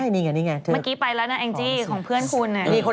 นี่ไงนี่ไงเมื่อกี้ไปแล้วนะแองจี้ของเพื่อนคุณ